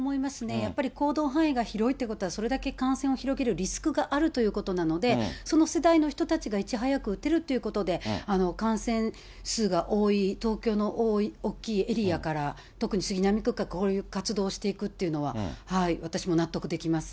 やっぱり行動範囲が広いということは、それだけ感染を広げるリスクがあるということなので、その世代の人たちがいち早く打てるということで、感染数が多い東京の大きいエリアから、特に杉並区がこういう活動をしていくというのは、私も納得できま